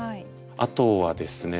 あとはですね